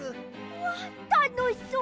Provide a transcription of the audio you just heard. うわったのしそう！